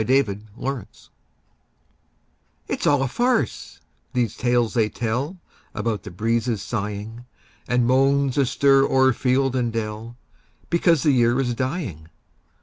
MERRY AUTUMN It's all a farce, these tales they tell About the breezes sighing, And moans astir o'er field and dell, Because the year is dying.